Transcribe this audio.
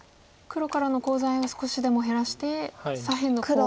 黒からのコウ材を少しでも減らして左辺のコウを。